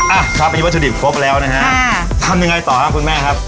อ่ะครับอันนี้วัตถุดิบครบแล้วนะฮะทำยังไงต่อครับคุณแม่ครับ